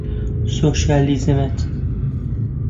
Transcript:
سۆشیالیزمت